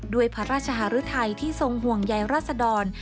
ด้วยพระราชหรือไทยที่ทรงห่วงใยรัศดร